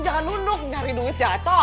jangan duduk nyari duit jatoh